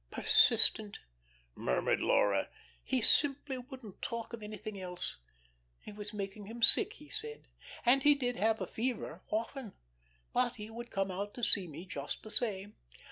"Persistent!" murmured Laura. "He simply wouldn't talk of anything else. It was making him sick, he said. And he did have a fever often. But he would come out to see me just the same.